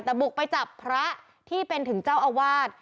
แต่บุกไปจับพระที่เป็นถึงเจ้าอาวาส